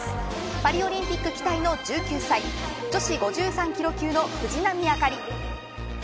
パリオリンピック期待の１９歳女子５３キロ級の藤波朱理。